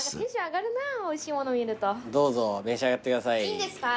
いいんですか？